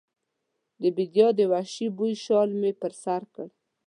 د بیدیا د وحشي بوی شال مې پر سر کړ